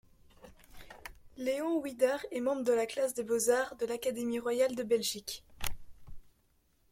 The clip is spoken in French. Léon Wuidar est membre de la Classe des Beaux-Arts de l'Académie royale de Belgique.